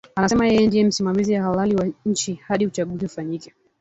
Anasema yeye ndie msimamizi halali wa nchi hadi uchaguzi ufanyike